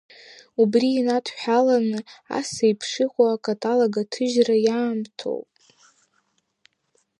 Убри инадҳәаланы, ас еиԥш иҟоу акаталог аҭыжьра иаамҭоуп.